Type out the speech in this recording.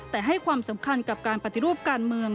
แต่ให้ความสำคัญกับการปฏิรูปการเมือง